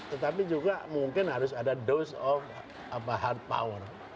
tetapi juga mungkin harus ada dose of hard power